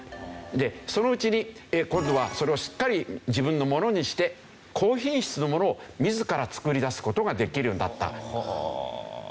でそのうちに今度はそれをしっかり自分のものにして高品質のものを自ら作り出す事ができるようになった。